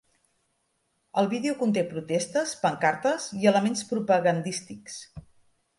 El vídeo conté protestes, pancartes i elements propagandístics.